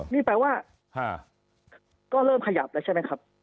นี่แปลว่าก็เริ่มขยับละใช่มั้ยครับ